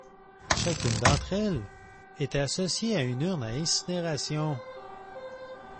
Chacune d'entre elles étaient associées à une urne à incinération.